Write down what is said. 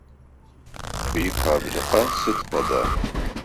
Шъуифабрикэ сыд фэда?